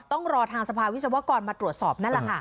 ต้องรอทางสภาวิศวกรมาตรวจสอบนั่นแหละค่ะ